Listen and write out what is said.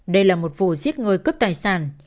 đây là một vụ giết người cướp tài sản